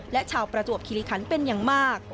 และชาวประจวบคิริคันเป็นอย่างมาก